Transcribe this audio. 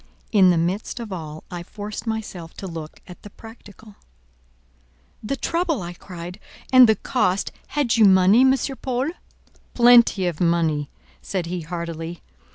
In the midst of all I forced myself to look at the practical. "The trouble!" I cried, "and the cost! Had you money, M. Paul?" "Plenty of money!" said he heartily.